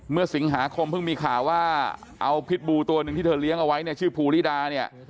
เมื่อสิงหาคมเพิ่งมีข่าวว่าเอาพิษบูตัวหนึ่งที่เธอเลี้ยงเอาไว้เนี่ยชื่อภูริดาเนี่ย